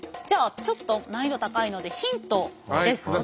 じゃあちょっと難易度高いのでヒントです。